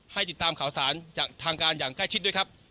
ติดตามข่าวสารจากทางการอย่างใกล้ชิดด้วยครับ